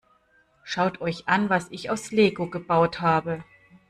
Schaut euch an, was ich aus Lego gebaut habe!